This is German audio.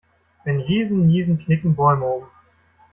Wenn Riesen niesen, knicken Bäume um.